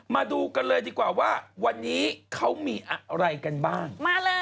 มาดูกันเลยดีกว่าว่าวันนี้เขามีอะไรกันบ้างมาเลย